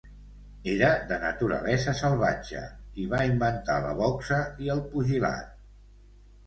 Era de naturalesa salvatge i va inventar la boxa i el pugilat.